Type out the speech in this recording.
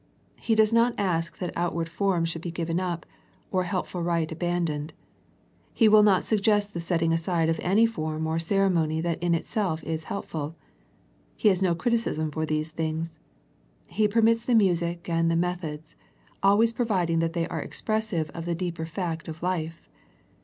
He does not ask that outward form should be given up, or helpful rite abandoned. He will not suggest the setting aside of any form or ceremony that in itself is helpful. He has no criticism for these things. He permits the music and the methods, always providing that they are expressive of the deeper fact of life.